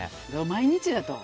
毎日だとさ。